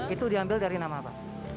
itu diambil dari nama apa